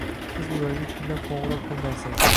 Siz ularga kunlab qoʻngʻiroq qilmaysiz